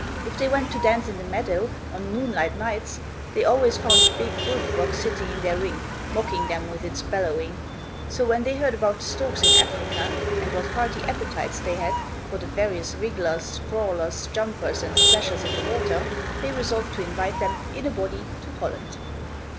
If they went to dance in the meadow, on moonlight nights, they always found a big bullfrog sitting in their ring, mocking them with its bellowing. So when they heard about the storks in Africa, and what hearty appetites they had, for the various wrigglers, crawlers, jumpers and splashers in the waters, they resolved to invite them, in a body, to Holland.